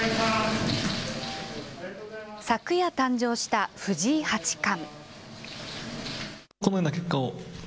昨夜誕生した藤井八冠。